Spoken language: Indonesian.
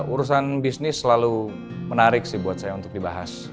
urusan bisnis selalu menarik sih buat saya untuk dibahas